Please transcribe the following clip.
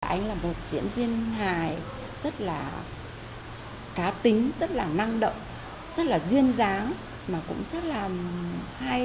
anh là một diễn viên hài rất là cá tính rất là năng động rất là duyên dáng mà cũng rất là hay